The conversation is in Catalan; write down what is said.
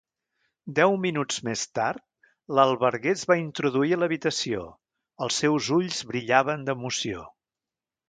Deu minuts més tard, l'alberguer es va introduir a l'habitació, els seus ulls brillaven d'emoció.